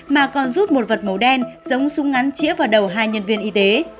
mà còn rút một vật màu đen giống súng ngắn chĩa vào đầu hai nhân viên y tế